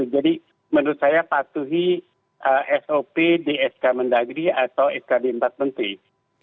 jadi menurut saya patuhi sop di sk mendagri atau skd empat menteri